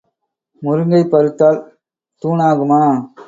முருங்கை பருத்தால் தூணாகுமா?